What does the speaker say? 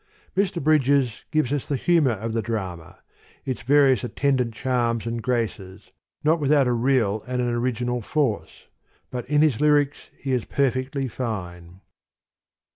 Mr. Bridges gives us the humour of the drama, its various attendant charms and graces, not without a real and an origi nal force : but in his lyrics he is perfectly fine.